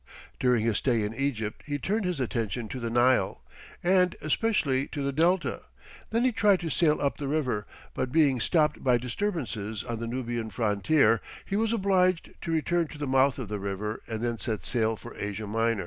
During his stay in Egypt he turned his attention to the Nile, and especially to the Delta; then he tried to sail up the river, but being stopped by disturbances on the Nubian frontier, he was obliged to return to the mouth of the river, and then set sail for Asia Minor.